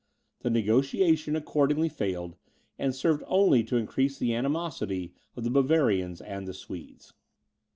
The negociation accordingly failed, and served only to increase the animosity of the Bavarians and the Swedes.